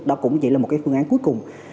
đó cũng chỉ là một cái phương án cuối cùng